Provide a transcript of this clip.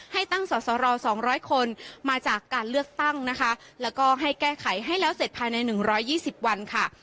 ให้ตั้งสอสร๒๐๐คนมาจากการเลือกตั้งนะคะแล้วก็ให้แก้ไขให้แล้วเสร็จภายใน๑๒๐วันค่ะ